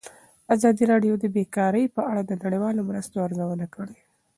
ازادي راډیو د بیکاري په اړه د نړیوالو مرستو ارزونه کړې.